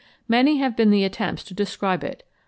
Many have been the attempts to describe it.